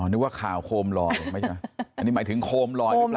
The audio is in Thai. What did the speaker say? นึกว่าขาวโคมลอยใช่ไหม